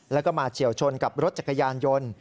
แล้วก็มาเฉียวชนกับรถจักรยานยนต์